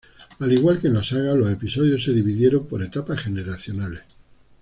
Al igual que en “La Saga“, los episodios se dividieron por etapas generacionales.